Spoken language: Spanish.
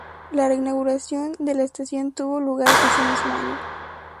La reinauguración de la estación tuvo lugar ese mismo año.